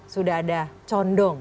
sudah ada condong